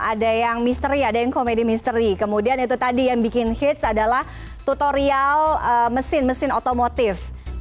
ada yang misteri ada yang komedi misteri kemudian itu tadi yang bikin hits adalah tutorial mesin mesin otomotif